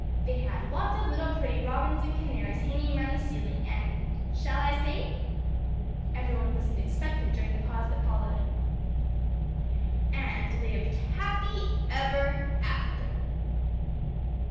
_' They had lots of little pretty robins and canaries hanging round the ceiling, and shall I say?" Every one listened expectant during the pause that followed. "_ And lived happy ever after.